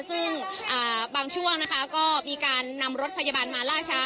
ซึ่งบางช่วงนะคะก็มีการนำรถพยาบาลมาล่าช้า